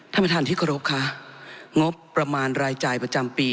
ท่านประธานที่เคารพค่ะงบประมาณรายจ่ายประจำปี